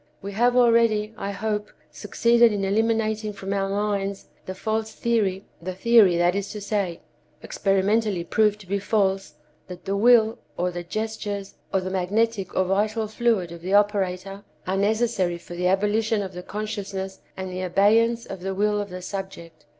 We have already, I hope, succeeded in eliminating from our minds the false theory—the theory, that is to say, experimentally proved to be false—that the will, or the gestures, or the magnetic or vital fluid of the operator are necessary for the abolition of the consciousness and the abeyance of the will of the subject.